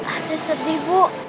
asri sedih bu